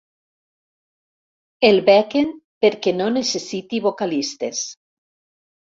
El bequen perquè no necessiti vocalistes.